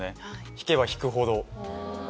弾けば弾くほど。